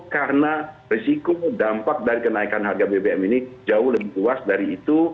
karena risiko dampak dari kenaikan harga bbm ini jauh lebih luas dari itu